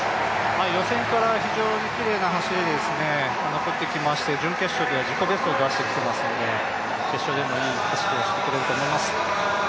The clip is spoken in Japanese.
予選から非常にきれいな走りで残ってきまして準決勝では自己ベストを出してきてますので決勝でもいい走りをしてくれると思います。